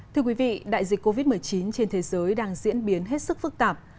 thưa quý vị đại dịch covid một mươi chín trên thế giới đang diễn biến hết sức phức tạp